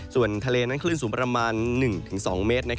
ส่วนทะเลนั้นคลื่นสูงประมาณ๑๒เมตร